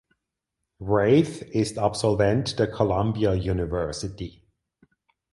Wraith ist Absolvent der Columbia University.